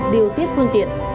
điều tiết phương tiện